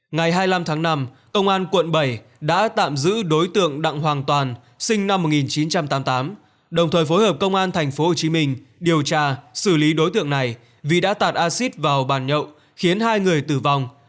ngày hai mươi năm tháng năm công an quận bảy đã tạm giữ đối tượng đặng hoàng toàn sinh năm một nghìn chín trăm tám mươi tám đồng thời phối hợp công an tp hcm điều tra xử lý đối tượng này vì đã tạt acid vào bàn nhậu khiến hai người tử vong